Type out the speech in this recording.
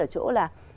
ở chỗ là